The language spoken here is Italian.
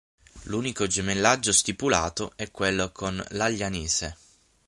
L'unico gemellaggio stipulato è quello con l'Aglianese.